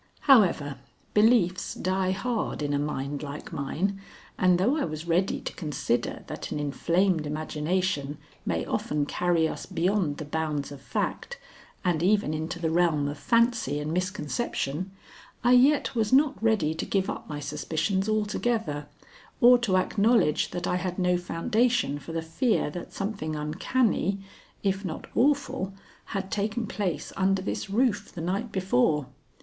However, beliefs die hard in a mind like mine, and though I was ready to consider that an inflamed imagination may often carry us beyond the bounds of fact and even into the realm of fancy and misconception, I yet was not ready to give up my suspicions altogether, or to acknowledge that I had no foundation for the fear that something uncanny if not awful had taken place under this roof the night before.